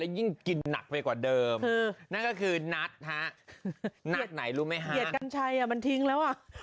บางทีพี่ม้าจะถามเธอ